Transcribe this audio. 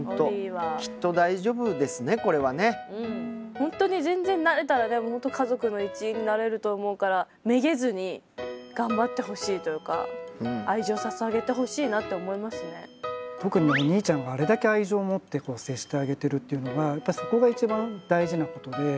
本当に全然慣れたらでも本当家族の一員になれると思うからめげずに頑張ってほしいというか特にお兄ちゃんがあれだけ愛情を持って接してあげているっていうのがそこが一番大事なことで。